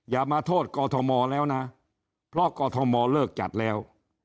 อย่ามาโทษกอทมแล้วนะเพราะกอทมเลิกจัดแล้ว